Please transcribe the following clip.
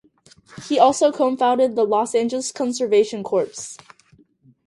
He also co-founded the Los Angeles Conservation Corps.